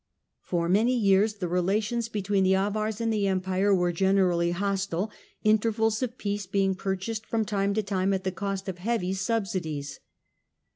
For many years ;he relations between the Avars and the Empire were generally hostile, intervals of peace being purchased from ;ime to time at the cost of heavy subsidies.